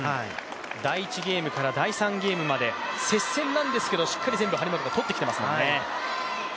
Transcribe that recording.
第１ゲームから第３ゲームまで接戦なんですけど全部張本が取ってきてますもんね。